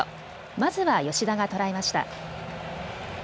まずは吉田が捉えました。